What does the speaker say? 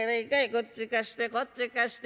こっち貸してこっち貸して。